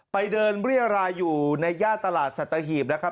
ไปเดินเรียรายอยู่ในย่านตลาดสัตหีบนะครับ